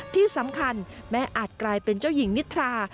ที่สำคัญแม่อาจกลายเป็นเจ้าหญิงนิทรา